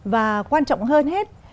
và quan trọng hơn hết